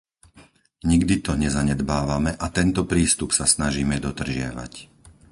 Nikdy to nezanedbávame a tento prístup sa snažíme dodržiavať.